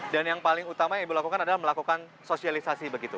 dan yang paling utama yang ibu lakukan adalah melakukan sosialisasi begitu